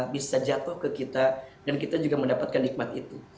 bisa jatuh ke kita dan kita juga mendapatkan nikmat itu